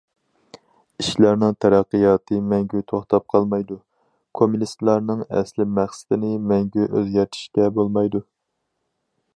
ئىشلارنىڭ تەرەققىياتى مەڭگۈ توختاپ قالمايدۇ، كوممۇنىستلارنىڭ ئەسلىي مەقسىتىنى مەڭگۈ ئۆزگەرتىشكە بولمايدۇ.